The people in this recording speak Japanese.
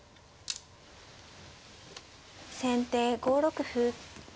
先手５六歩。